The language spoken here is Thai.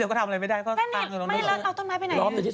แล้วก็เจ้านี่ก็บอกว่า